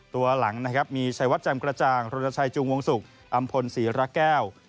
หลังนะครับมีชัยวัดแจ่มกระจ่างรณชัยจูงวงศุกร์อำพลศรีระแก้ว